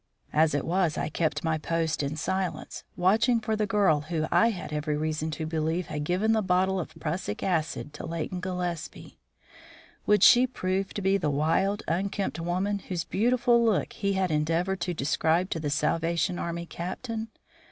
As it was, I kept my post in silence, watching for the girl who I had every reason to believe had given the bottle of prussic acid to Leighton Gillespie. Would she prove to be the wild, unkempt woman whose beautiful look he had endeavoured to describe to the Salvation Army Captain?